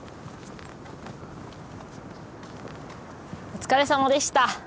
お疲れさまでした。